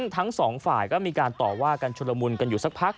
ทั้งสองฝ่ายก็มีการต่อว่ากันชุดละมุนกันอยู่สักพัก